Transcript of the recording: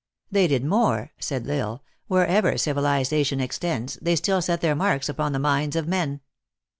" They did more," said L Isle, " wherever civiliza tion extends, they still set their marks upon the minds of men."